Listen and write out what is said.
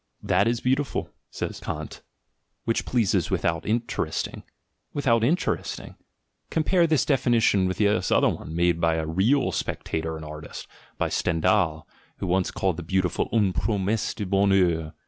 "That is beautiful," says Kant, "which pleases without interesting." Without interesting! Compare this definition with this other one, made by a real "spectator" and "artist" — by Stendhal, who once called the beautiful une promesse de bonheur.